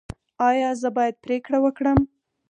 ایا زه باید پریکړه وکړم؟